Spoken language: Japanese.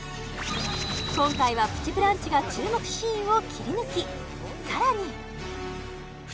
今回は「プチブランチ」が注目シーンをキリヌキ！